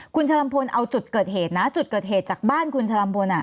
คุณชะลำพลเอาจุดเกิดเหตุนะจุดเกิดเหตุจากบ้านคุณชะลัมพล